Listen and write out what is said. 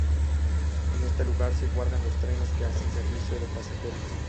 En este lugar se guardan los trenes que hacen servicio de pasajeros.